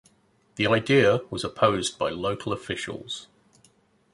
The idea was opposed by local officials.